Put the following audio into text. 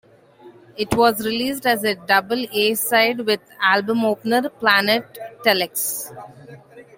It was released as a double A-side with album opener "Planet Telex".